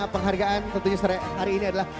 penghargaan tentunya hari ini adalah